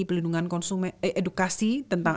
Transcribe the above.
pelindungan konsumen edukasi tentang